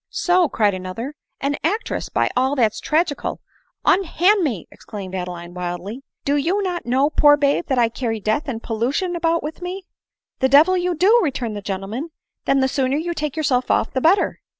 " So !" cried another, "an actress, by all that 's tragi cal !" "Unhand me!" exclaimed Adeline wildly. "Do ^F^il ADELINE MOWBRAY. 247 not you know, poor babe, that I carry death and pollution about with me ?"" The devil you do!" returned the gentleman; "then the sooner you take yourself off the better."